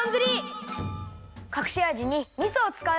かくしあじにみそをつかう。